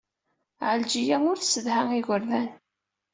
Ɛelǧiya ur tessedha igerdan.